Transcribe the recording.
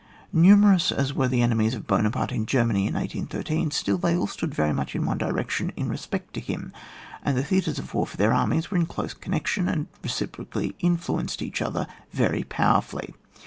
Numerous as were the enemies of Buonaparte in Oermany in 1813, still they all stood very much in one direction in respect to him, and the theatres of war for their armies were in close con nection, and reciprocally influenced each other very powerfidly.